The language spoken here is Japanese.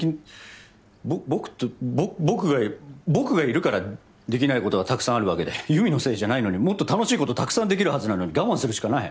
ぼ僕と僕が僕がいるからできない事がたくさんあるわけで優美のせいじゃないのにもっと楽しい事たくさんできるはずなのに我慢するしかない。